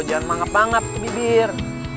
jangan mangap banget ke bibir